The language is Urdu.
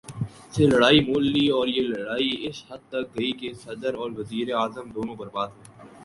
سے لڑائی مول لی اور یہ لڑائی اس حد تک گئی کہ صدر اور وزیر اعظم دونوں برباد ہوئے۔